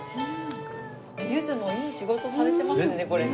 柚子もいい仕事されてますねこれね。